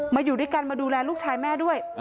อยู่ด้วยกันมาดูแลลูกชายแม่ด้วย